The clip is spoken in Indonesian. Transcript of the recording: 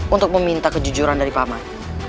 untuk meminta kejujuran dari paman